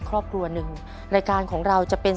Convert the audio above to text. ครอบครัวหนึ่งรายการของเราจะเป็น